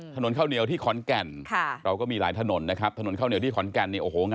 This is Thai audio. ถนนข้าวเหนียวที่ขอนแก่น